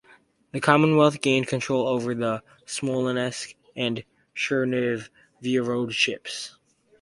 The Commonwealth gained control over the Smolensk and Chernihiv Voivodeships.